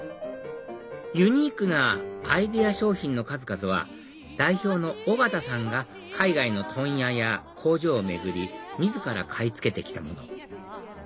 ユニークなアイデア商品の数々は代表の尾形さんが海外の問屋や工場を巡り自ら買い付けて来たもの